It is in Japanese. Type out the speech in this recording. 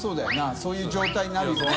そういう状態になるよな。